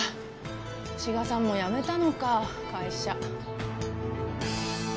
志賀さんも辞めたのか会社。